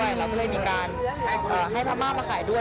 ใช่เราก็เลยมีการให้พม่ามาขายด้วย